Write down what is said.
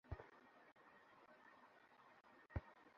অতঃপর রাত ঘনিয়ে এলেই সে ফিরে আসত।